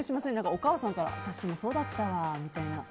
お母さんから私もそうだったわ、みたいな。